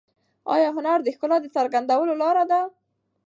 آیا هنر د ښکلا د څرګندولو لاره ده؟